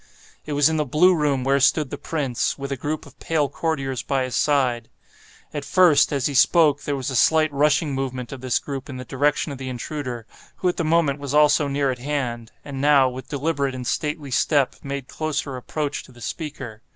It was in the blue room where stood the prince, with a group of pale courtiers by his side. At first, as he spoke, there was a slight rushing movement of this group in the direction of the intruder, who at the moment was also near at hand, and now, with deliberate and stately step, made closer approach to the speaker.